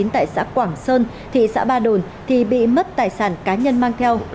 tại xã quảng sơn thị xã ba đồn thì bị mất tài sản cá nhân mang theo